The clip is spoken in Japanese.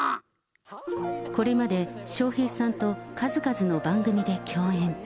これまで笑瓶さんと数々の番組で共演。